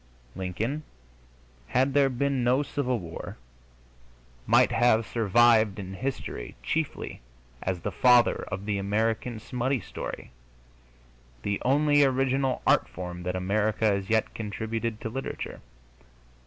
Lincoln, had there been no Civil War, might have survived in history chiefly as the father of the American smutty story the only original art form that America has yet contributed to literature.